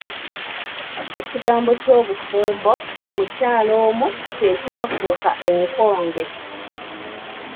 Ekigambo ky'obufumbo ku mukyala omu kye kyafuuka enkonge.